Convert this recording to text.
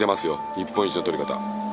日本一の取り方。